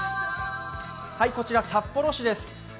こちら札幌市です。